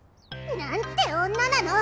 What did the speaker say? なんて女なの！